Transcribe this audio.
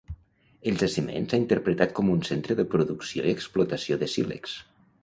El jaciment s'ha interpretat com un centre de producció i explotació de sílex.